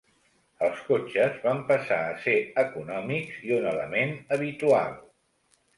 Els cotxes van passar a ser econòmics i un element habitual.